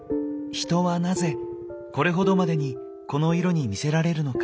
人はなぜこれほどまでにこの色に魅せられるのか？